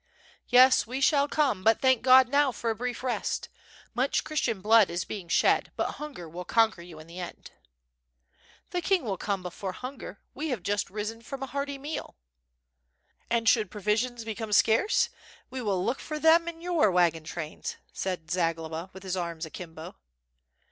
"Yes, we shall come, but thank God now for a brief rest. Much Christian blood is being ghed, but hunger will conquer you in the end." "The king will come before hunger; we have just risen from a hearty meal." "And should provisions became scarce we will look for them in your wagon trains," said Zagloba, with his arms akimbo.